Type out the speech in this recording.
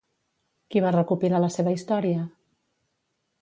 Qui va recopilar la seva història?